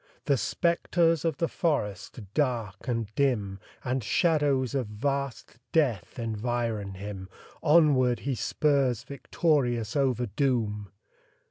The spectres of the forest, dark and dim, And shadows of vast death environ him Onward he spurs victorious over doom.